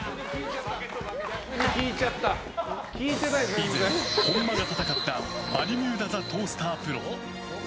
以前、本間が戦ったバルミューダ・ザ・トースタープロ。